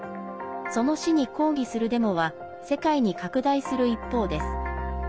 その死に抗議するデモは世界に拡大する一方です。